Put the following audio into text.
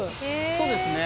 そうですね。